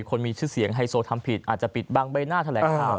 คนมีชื่อเสียงไฮโซทำผิดอาจจะปิดบังใบหน้าแถลงข่าว